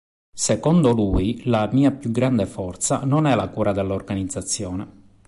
Secondo lui "la mia più grande forza non è la cura dell'organizzazione".